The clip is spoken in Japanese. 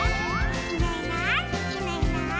「いないいないいないいない」